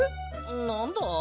なんだ？